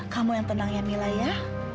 kamu yang tenang ya mila ya